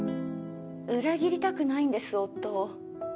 裏切りたくないんです夫を。